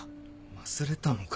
忘れたのかよ